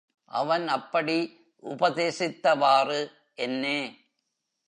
அவன் அப்படி உபதேசித்தவாறு என்னே!